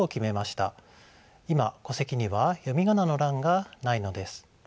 今戸籍には読み仮名の欄がないのです。